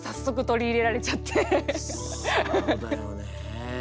そうだよね。